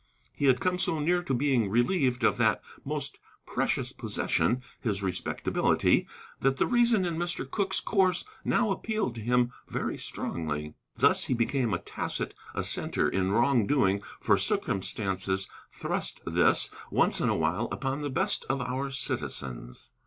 He had come so near to being relieved of that most precious possession, his respectability, that the reason in Mr. Cooke's course now appealed to him very strongly. Thus he became a tacit assenter in wrong doing, for circumstances thrust this, once in a while, upon the best of our citizens.